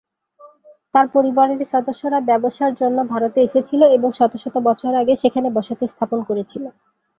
তার পরিবারের সদস্যরা ব্যবসার জন্য ভারতে এসেছিল এবং শত শত বছর আগে সেখানে বসতি স্থাপন করেছিল।